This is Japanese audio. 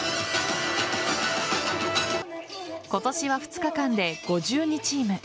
今年は２日間で５２チーム